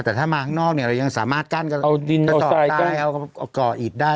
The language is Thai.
แต่ถ้ามาข้างนอกเนี่ยเรายังสามารถกั้นกันเอาดินกระสอบทรายเอาก่ออิดได้